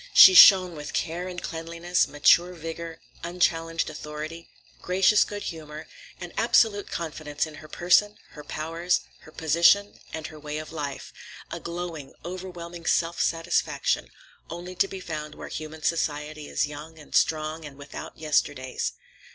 She shone with care and cleanliness, mature vigor, unchallenged authority, gracious good humor, and absolute confidence in her person, her powers, her position, and her way of life; a glowing, overwhelming self satisfaction, only to be found where human society is young and strong and without yesterdays.